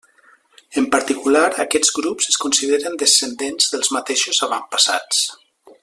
En particular, aquests grups es consideren descendents dels mateixos avantpassats.